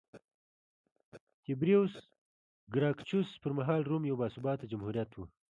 تیبریوس ګراکچوس پرمهال روم یو باثباته جمهوریت و